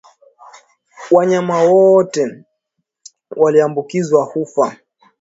Wanyama wote walioambukizwa hufa